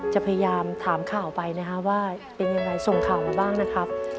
จะพยายามถามข่าวไปนะครับว่าเป็นยังไงส่งข่าวมาบ้างนะครับ